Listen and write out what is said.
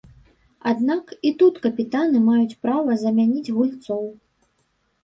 Аднак і тут капітаны маюць права замяніць гульцоў.